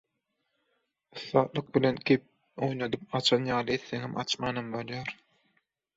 Ussatlyk bilen, gep oýnadyp, açan ýaly etseňem açmanam bolýar.